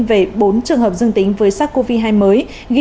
về bốn trường hợp dương tính với sars cov hai mới